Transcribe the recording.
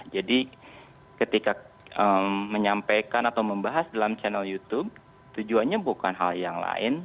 jadi ketika menyampaikan atau membahas dalam channel youtube tujuannya bukan hal yang lain